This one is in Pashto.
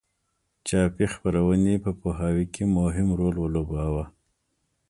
چاپي خپرونې په پوهاوي کې مهم رول ولوباوه.